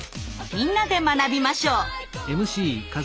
みんなで学びましょう！